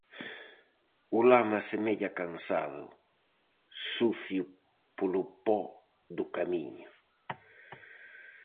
O lama semella cansado, sucio polo po do camiño.